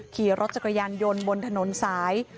ขี่รถจักรยานยนต์บนถนนสาย